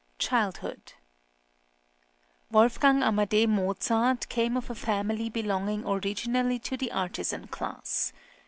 CHILDHOOD WOLFGANG AMADE MOZART came of a family belonging originally to the artisan class.